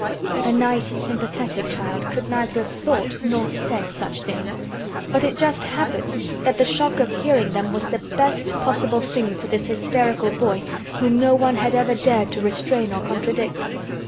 A nice sympathetic child could neither have thought nor said such things, but it just happened that the shock of hearing them was the best possible thing for this hysterical boy whom no one had ever dared to restrain or contradict.